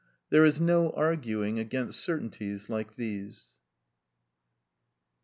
There is no arguing against certainties like these.